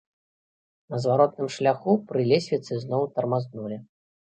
На зваротным шляху пры лесвіцы зноў тармазнулі.